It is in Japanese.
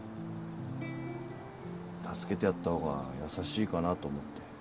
助けてやったほうが優しいかなと思って。